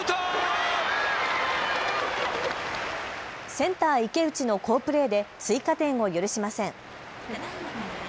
センター、池内の好プレーで追加点を許しません。